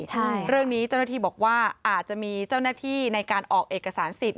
เจ้าหน้าที่บอกว่าอาจจะมีเจ้าหน้าที่ในการออกเอกสารสิทธิ์